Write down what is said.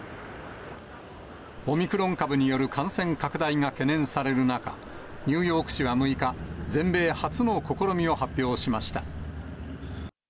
オミクロン株による感染拡大が懸念される中、ニューヨーク市は６日、全米初の試みを発表しました。